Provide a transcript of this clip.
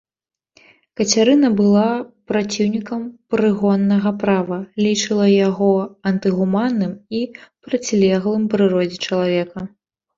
Кацярына была праціўнікам прыгоннага права, лічыла яго антыгуманным і процілеглым прыродзе чалавека.